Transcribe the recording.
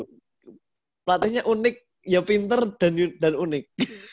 karena pelatihnya unik ya pinter dan unik